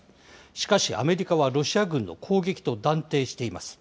しかし、アメリカはロシア軍の攻撃と断定しています。